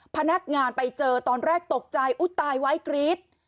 พนักงานไปเจอตอนแรกตกใจอุ๊ยตายไว้กรี๊ด